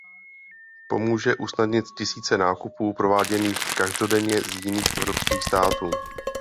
Pomůže usnadnit tisíce nákupů prováděných každodenně z jiných evropských států.